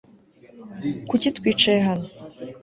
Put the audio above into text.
Kuki twicaye hano